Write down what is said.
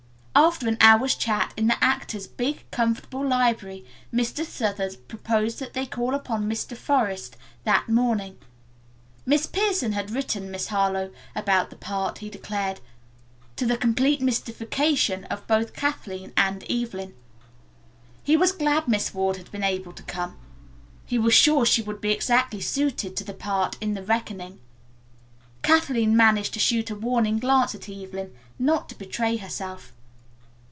After an hour's chat in the actor's big, comfortable library Mr. Southard proposed that they call upon Mr. Forest that morning. Miss Pierson had written Miss Harlowe about the part, he declared, to the complete mystification of both Kathleen and Evelyn. He was glad Miss Ward had been able to come. He was sure she would be exactly suited to the part in "The Reckoning." Kathleen managed to shoot a warning glance at Evelyn not to betray herself.